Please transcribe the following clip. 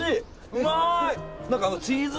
うまい！